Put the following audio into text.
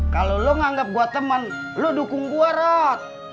kalau lu nganggep gua temen lu dukung gua rat